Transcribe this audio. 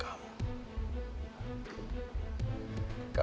kamu dengan alec ternyata bersekongkan